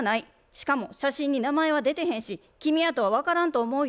しかも写真に名前は出てへんし君やとは分からんと思うよ」って言われたんやて。